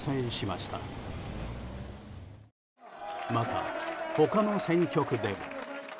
また、他の選挙区でも。